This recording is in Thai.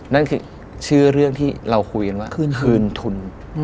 นั่นคือชื่อเรื่องที่เราคุยกันว่าคืนทุน